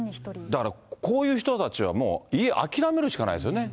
だからこういう人たちは家諦めるしかないですよね。